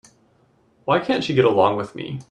Why can't she get along with me?